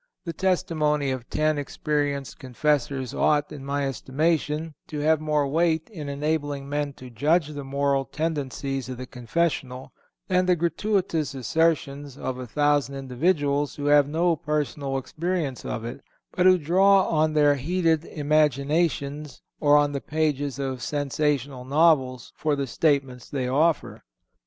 The testimony of ten experienced confessors ought, in my estimation, to have more weight in enabling men to judge of the moral tendencies of the confessional than the gratuitous assertions of a thousand individuals who have no personal experience of it, but who draw on their heated imaginations or on the pages of sensational novels for the statements they offer.